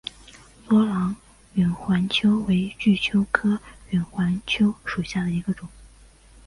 多腺远环蚓为巨蚓科远环蚓属下的一个种。